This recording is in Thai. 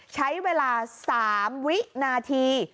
ใช้เวลา๓วินาที